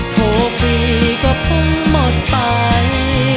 โทรปีก็พุ่งหมดไป